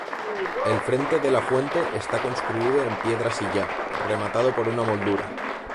El frente de la fuente está construido en piedra sillar, rematado por una moldura.